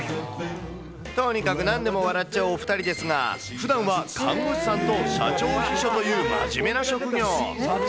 とにかく何でも笑っちゃうお２人ですが、ふだんは看護師さんと社長秘書というまじめな職業。